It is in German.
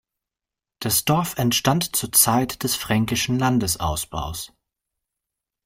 Das Dorf entstand zur Zeit des fränkischen Landesausbaus.